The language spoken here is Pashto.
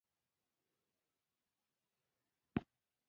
افغانستان د دغو دښتو یو کوربه دی.